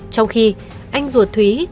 trong khi anh ruột thúy